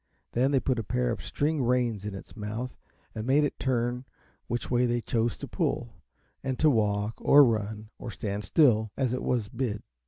Then they put a pair of string reins in its mouth, and made it turn which way they chose to pull, and to walk, or run, or stand still, as it was bid.